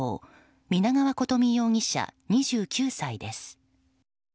皆川琴美容疑者、２９歳です。